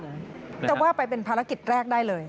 แต่ว่าไปเป็นภารกิจแรกได้เลย